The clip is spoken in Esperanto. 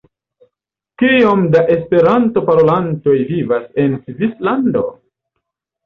Kiom da esperanto-parolantoj vivas en Svislando?